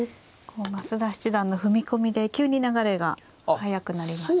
増田七段の踏み込みで急に流れが速くなりました。